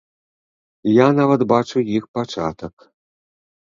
Я нават бачу іх пачатак.